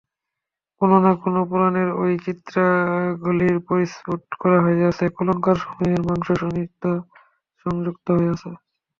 কোন না কোন পুরাণে ঐ চিত্রগুলি পরিস্ফুট করা হইয়াছে, কঙ্কালসমূহে মাংস-শোণিত সংযুক্ত হইয়াছে।